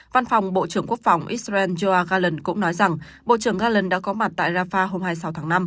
văn phòng bộ trưởng quốc phòng israel joa galen cũng nói rằng bộ trưởng galen đã có mặt tại rafah hôm hai mươi sáu tháng năm